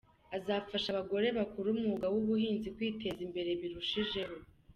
Azafasha abagore bakora umwuga w’ubuhinzi kwiteza imbere birushijeho.